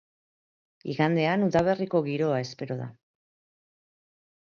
Igandean udaberriko giroa espero da.